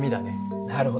なるほど。